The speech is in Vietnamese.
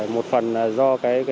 một phần là do